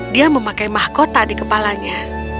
dia memakai mahkota di kepalanya